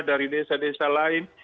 dari desa desa lain